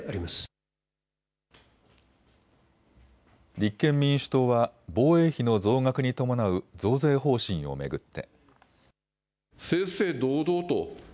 立憲民主党は防衛費の増額に伴う増税方針を巡って。